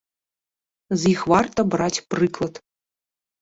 З іх варта браць прыклад.